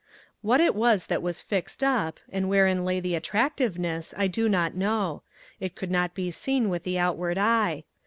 What it was that was fixed up, and wherein lay the attractiveness I do not know. It could not be seen with the outward eye.